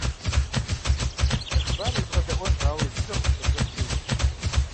Зы хъыбар уезгъэдэӀуэнщ, ауэ жыжьэ къыщыщӀэздзэн хуейщ.